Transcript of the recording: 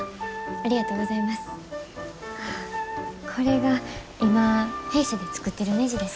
これが今弊社で作ってるねじです。